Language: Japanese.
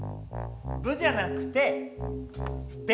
「ぶ」じゃなくて「べ」。